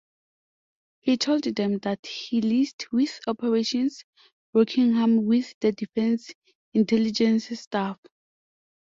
He told them that he liaised with Operation Rockingham within the Defence Intelligence Staff.